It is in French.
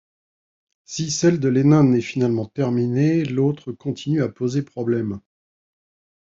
Si celle de Lennon est finalement terminée, l'autre continue à poser problème.